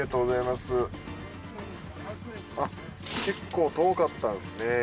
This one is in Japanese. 結構遠かったんですね